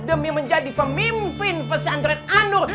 demi menjadi pemimpin pesantren anur